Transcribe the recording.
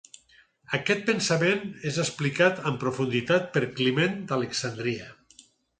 Aquest pensament és explicat en profunditat per Climent d'Alexandria.